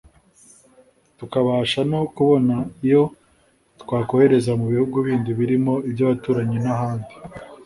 tukabasha no kubona iyo twakohereza mu bihugu bindi birimo iby’abaturanyi n’ahandi